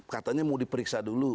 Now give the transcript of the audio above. katanya mau diperiksa dulu